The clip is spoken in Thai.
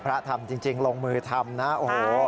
พระทำจริงลงมือทำนะโอ้โห